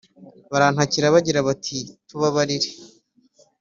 Barantakira, bagira bati tubabarire